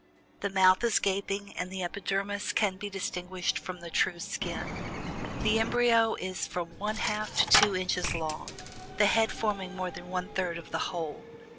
The mouth is gaping, and the epidermis can be distinguished from the true skin. The embryo is from one half to two inches long, the head forming more than one third of the whole.